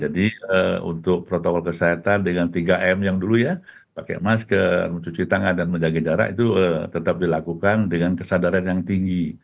jadi untuk protokol kesehatan dengan tiga m yang dulu ya pakai masker mencuci tangan dan menjaga jarak itu tetap dilakukan dengan kesadaran yang tinggi